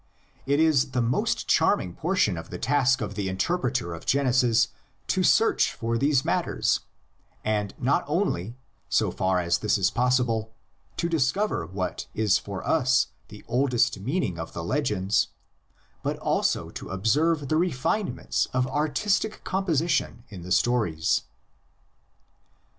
It is the most charming portion of the task of the inter preter of Genesis to search for these matters, and not only, so far as this is possible, to discover what is for us the oldest meaning of the legends, but also to observe the refinements of artistic composition in the stories.